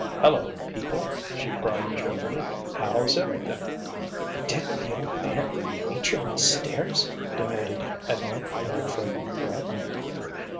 "Hello, people!" she cried cheerfully. "How's everything?" "Didn't the Old Man meet you on the stairs?" demanded Edna in a frightened breath.